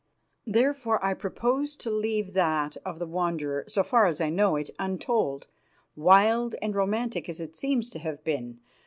Therefore, I propose to leave that of the Wanderer, so far as I know it, untold, wild and romantic as it seems to have been.